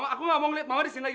aku gak mau liat mama disini lagi